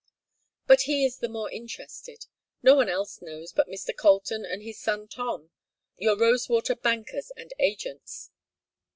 But he is the more interested. No one else knows but Mr. Colton and his son Tom your Rosewater bankers and agents.